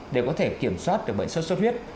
để có thể kiểm soát được bệnh suốt suốt huyết